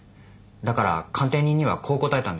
だから鑑定人にはこう答えたんです。